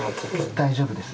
大丈夫です？